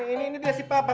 ini ini ini dia si papa